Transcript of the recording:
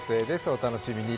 お楽しみに。